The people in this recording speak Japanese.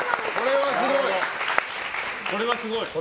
これはすごい！